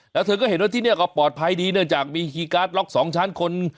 แล้วเธอก็เห็นว่าที่นี่ก็ปลอดภัยดีเนื่องจากมีคีย์การ์ดล็อกสองชั้นคน